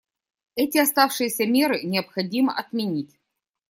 Эти оставшиеся меры необходимо отменить.